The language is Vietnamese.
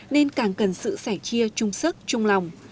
nên càng cần sự sẻ chia chung sức chung lòng